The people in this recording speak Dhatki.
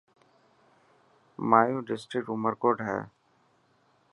هايو ڊسٽرڪٽ عمر ڪوٽ هي.